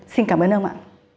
xin cảm ơn ông ạ